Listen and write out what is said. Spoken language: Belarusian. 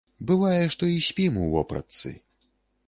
Бывае, што і спім у вопратцы.